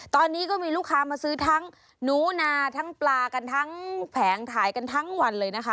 ตอนนี้ก็มีลูกค้ามาซื้อทั้งหนูนาทั้งปลากันทั้งแผงขายกันทั้งวันเลยนะคะ